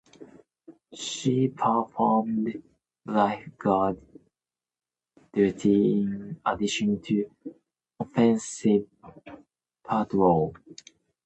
She performed lifeguard duty in addition to offensive patrol.